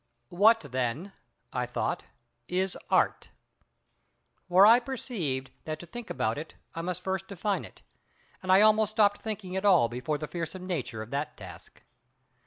What then—I thought—is Art? For I perceived that to think about it I must first define it; and I almost stopped thinking at all before the fearsome nature of that task.